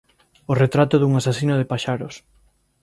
O retrato dun asasino de paxaros.